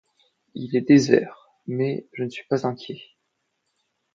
Il est désert, mais je ne suis pas inquiet.